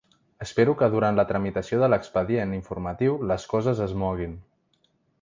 Espero que durant la tramitació de l’expedient informatiu les coses es moguin.